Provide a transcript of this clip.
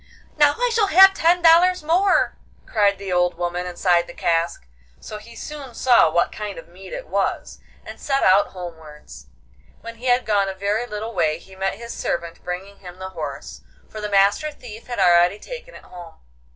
'Now I shall have ten dollars more!' cried the old woman inside the cask; so he soon saw what kind of mead it was, and set out homewards. When he had gone a very little way he met his servant bringing him the horse, for the Master Thief had already taken it home.